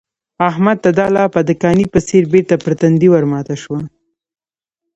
احمد ته دا لاپه د کاني په څېر بېرته پر تندي ورماته شوه.